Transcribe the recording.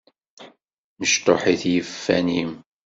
Mecṭuḥit yiffan-im.